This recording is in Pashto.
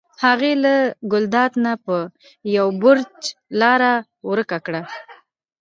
هغې له ګلداد نه په یو بړچ لاره ورکه کړه.